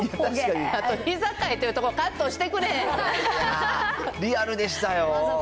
あとひざかいてるとこカットしてリアルでしたよ。